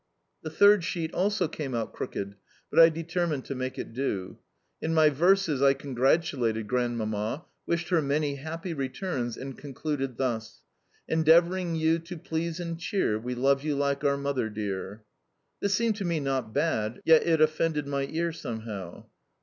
The third sheet also came out crooked, but I determined to make it do. In my verses I congratulated Grandmamma, wished her many happy returns, and concluded thus: "Endeavouring you to please and cheer, We love you like our Mother dear." This seemed to me not bad, yet it offended my ear somehow.